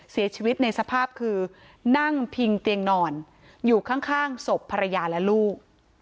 เสียชีวิตในสภาพคือนั่งพิงเตียงนอนอยู่ข้างศพภรรยาและลูก